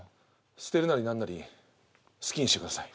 捨てるなり何なり好きにしてください